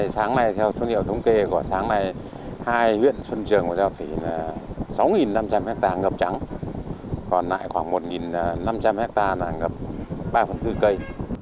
sáng nay theo số liệu thống kê của sáng nay hai huyện xuân trường và giao thủy là sáu năm trăm linh hectare ngập trắng còn lại khoảng một năm trăm linh hectare là ngập ba phần bốn cây